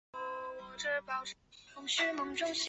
天启元年迁礼科左给事中。